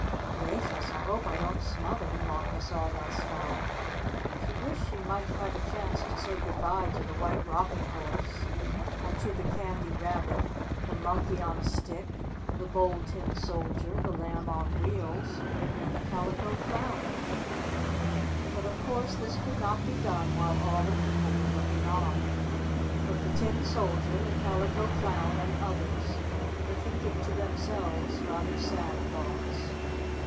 "Gracious! I hope I don't smother!" thought the Sawdust Doll. She wished she might have a chance to say good bye to the White Rocking Horse, and to the Candy Rabbit, the Monkey on IN AN AUTOMOBILE 47 a Stick, the Bold Tin Soldier, the Lamb on Wheels, and the' Calico Clown. But of course this could not be done while all the people were looking on. But the Tin Soldier, the Calico Clown, and others were thinking to themselves rather sad thoughts.